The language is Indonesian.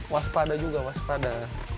waspada juga waspada